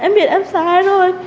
em biết em sai rồi